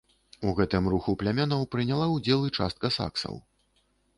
У гэтым руху плямёнаў прыняла ўдзел і частка саксаў.